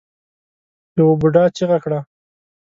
يوه بوډا چيغه کړه.